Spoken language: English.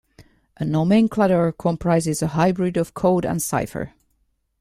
A nomenclator comprises a hybrid of code and cipher.